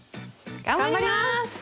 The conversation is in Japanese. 頑張ります！